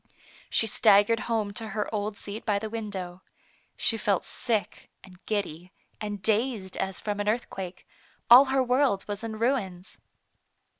She staggered home to her old seat by the window. She felt sick, and giddy, and dazed as from an earthquake ; all her world was in ruins.